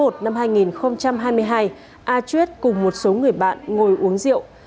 một mươi sáu tháng một năm hai nghìn hai mươi hai a chuyết cùng một số người bạn ngồi uống rượu